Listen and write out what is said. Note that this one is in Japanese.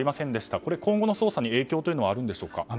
これ、今後の捜査に影響はあるんでしょうか？